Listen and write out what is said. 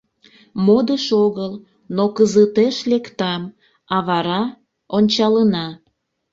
Модыш огыл, но кызытеш лектам, а вара... ончалына.